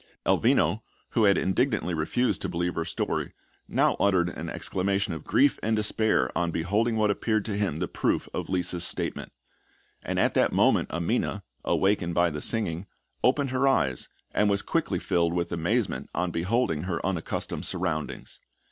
Elvino, who had indignantly refused to believe her story, now uttered an exclamation of grief and despair on beholding what appeared to him the proof of Lisa's statement; and at that moment Amina, awakened by the singing, opened her eyes, and was quickly filled with amazement on beholding her unaccustomed surroundings.